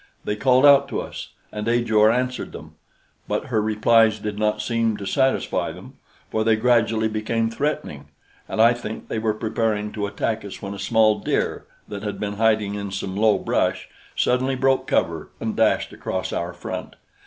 They called out to us, and Ajor answered them; but her replies did not seem to satisfy them, for they gradually became threatening, and I think they were preparing to attack us when a small deer that had been hiding in some low brush suddenly broke cover and dashed across our front.